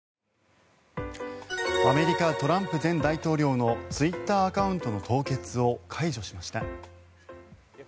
アメリカトランプ前大統領のツイッターアカウントの凍結を解除しました。